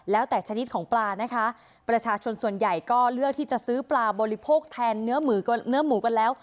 แล้วแต่ชนิดของปลานะคะประชาชนส่วนใหญ่ก็เลือกที่จะซื้อปลาบริโภคแทนเนื้อหมูกันแล้ว